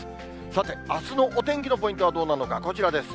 さて、あすのお天気のポイントはどうなのか、こちらです。